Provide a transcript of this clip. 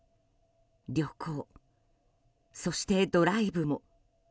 旅行、そしてドライブも。